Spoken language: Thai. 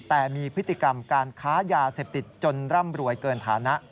แต่มีพฤติกรรมการค้ายาเสพติดจนร่ำรวยเกินฐานะ